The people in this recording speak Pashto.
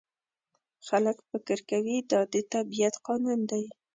خلک فکر کوي دا د طبیعت قانون دی.